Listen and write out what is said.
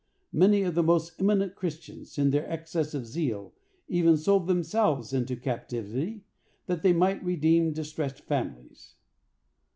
Many of the most eminent Christians, in their excess of zeal, even sold themselves into captivity that they might redeem distressed families.